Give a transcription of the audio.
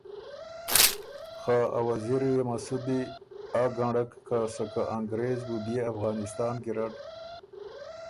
خه ا وزیری مسُودی آ ګنړک که سکه انګرېز بُو بيې افغانسان ګیرډ